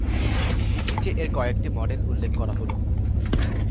নিচে এর কয়েকটি মডেল উল্লেখ করা হল-